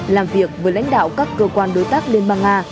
làm việc với lãnh đạo các cơ quan đối tác liên bang nga